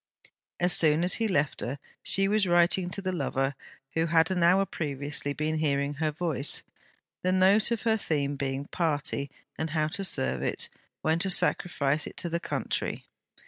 As soon as he left her, she was writing to the lover who had an hour previously been hearing her voice; the note of her theme being Party; and how to serve it, when to sacrifice it to the Country.